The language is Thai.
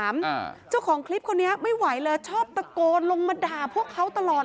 มันแก้งเขาอ่ะ